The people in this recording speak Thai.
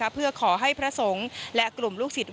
เพื่อขอให้พระสงฆ์และกลุ่มลูกศิษย์